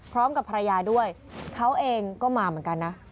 พร้อมกับภรรยาด้วยเขาเองก็มาเหมือนกันนะ